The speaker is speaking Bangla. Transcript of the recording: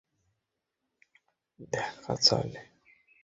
বহুল আলোচিত এক-এগারোর প্রতি এটি আন্তর্জাতিক অনাস্থার প্রতিফলন হিসেবে দেখা চলে।